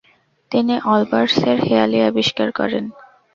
তিনি অলবার্সের হেঁয়ালি আবিষ্কার করেন।